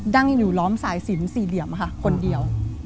นั่งอยู่ล้อมสายสินสี่เหลี่ยมค่ะคนเดียว